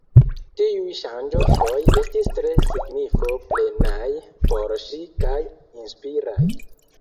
Tiuj sonĝoj foje estis tre signifo-plenaj por ŝi kaj inspiraj.